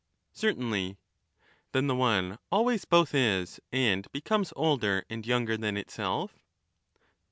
Certainly. Then the one always both is and becomes older and younger than itself?